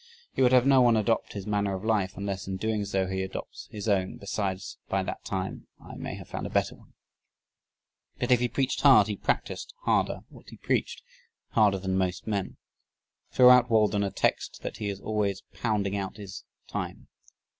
He would have no one adopt his manner of life, unless in doing so he adopts his own besides, by that time "I may have found a better one." But if he preached hard he practiced harder what he preached harder than most men. Throughout Walden a text that he is always pounding out is "Time."